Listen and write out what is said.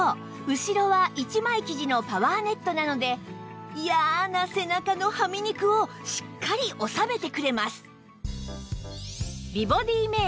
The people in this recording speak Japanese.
後ろは一枚生地のパワーネットなので嫌な背中のはみ肉をしっかり収めてくれます